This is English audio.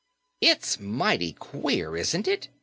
"It's mighty queer, isn't it?"